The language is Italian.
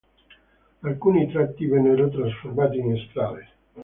Alcuni tratti vennero trasformati in strade.